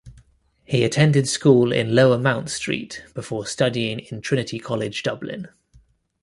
He attended school in Lower Mount Street before studying in Trinity College, Dublin.